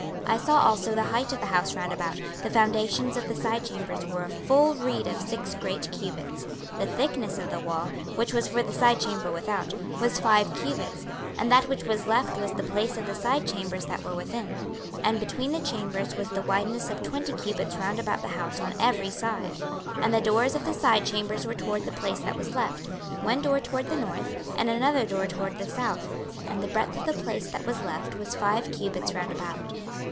26:041:008 I saw also the height of the house round about: the foundations of the side chambers were a full reed of six great cubits. 26:041:009 The thickness of the wall, which was for the side chamber without, was five cubits: and that which was left was the place of the side chambers that were within. 26:041:010 And between the chambers was the wideness of twenty cubits round about the house on every side. 26:041:011 And the doors of the side chambers were toward the place that was left, one door toward the north, and another door toward the south: and the breadth of the place that was left was five cubits round about.